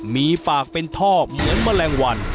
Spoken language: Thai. มีปากเป็นท่อเหมือนแมลงวัน